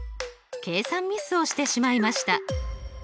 計算ミスをしてしまいました。